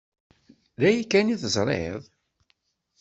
D aya kan i teẓriḍ?